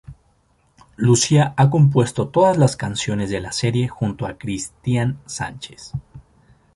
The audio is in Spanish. Lucía ha compuesto todas las canciones de la serie junto a Christian Sánchez.